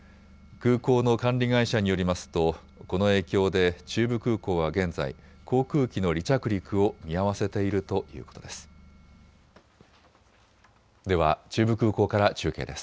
空港の管理会社によりますとこの影響で中部空港は現在、航空機の離着陸を見合わせているということです。